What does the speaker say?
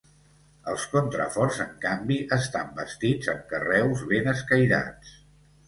Els contraforts, en canvi, estan bastits amb carreus ben escairats.